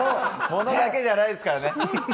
物だけじゃないですからね。